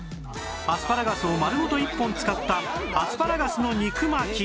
アスパラガスを丸ごと１本使ったアスパラガスの肉巻き